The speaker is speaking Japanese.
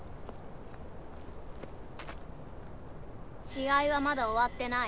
し合はまだおわってない。